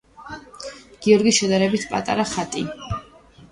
გიორგის შედარებით პატარა ხატი.